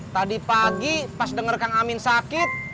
tadi pagi pas denger kang amin sakit